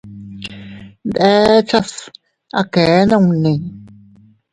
Ndechas a kee nunni.